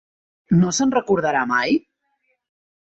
No se'n recordarà mai?